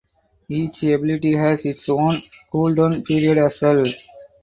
Each ability has its own cooldown period as well.